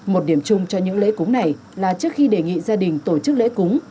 một điểm chung cho những lễ cúng này là trước khi đề nghị gia đình tổ chức lễ cúng